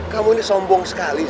kamu ini sombong sekali